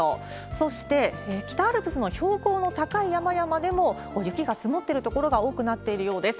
そして、北アルプスの標高の高い山々でも、雪が積もってる所が多くなっているようです。